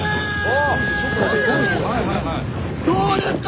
どうですか？